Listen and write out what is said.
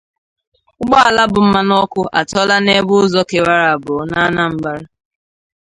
Ụgbọala Bu Mmanụ Ọkụ Atọla n'Ebe Ụzọ Kewàrà Abụọ n'Anambra